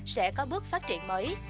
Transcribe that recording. sẽ có bước phát triển mới